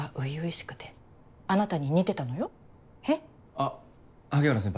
あっ萩原先輩